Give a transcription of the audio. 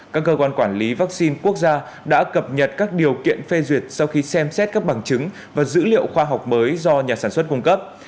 các cơ quan quản lý vaccine quốc gia đã cập nhật các điều kiện phê duyệt sau khi xem xét các bằng chứng và dữ liệu khoa học mới do nhà sản xuất cung cấp